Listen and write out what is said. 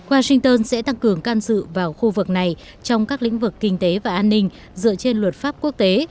washington sẽ tăng cường can sự vào khu vực này trong các lĩnh vực kinh tế và an ninh dựa trên luật pháp quốc tế